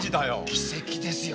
奇跡ですよ。